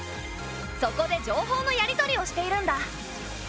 そこで情報のやり取りをしているんだ。